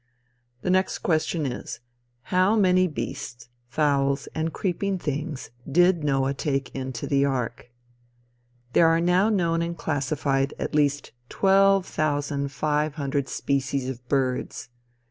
The next question is, how many beasts, fowls and creeping things did Noah take into the ark? There are now known and classified at least twelve thousand five hundred species of birds.